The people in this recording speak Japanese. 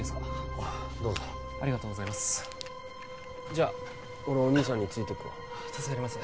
ああどうぞありがとうございますじゃあ俺お兄さんについてくわ助かります